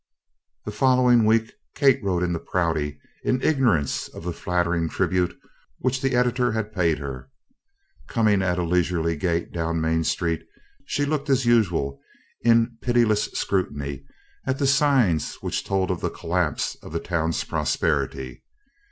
The following week, Kate rode into Prouty in ignorance of the flattering tribute which the editor had paid her. Coming at a leisurely gait down Main Street she looked as usual in pitiless scrutiny at the signs which told of the collapse of the town's prosperity.